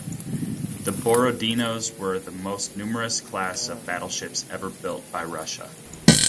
The "Borodino"s were the most numerous class of battleships ever built by Russia.